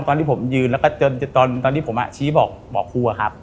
ตอนที่ผมยืนตอนที่ผมชี้บอกครู